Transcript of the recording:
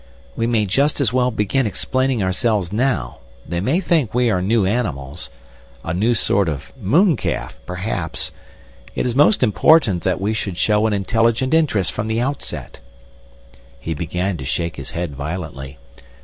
"We may just as well begin explaining ourselves now. They may think we are new animals, a new sort of mooncalf perhaps! It is most important that we should show an intelligent interest from the outset." He began to shake his head violently.